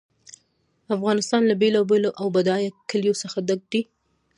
افغانستان له بېلابېلو او بډایه کلیو څخه ډک دی.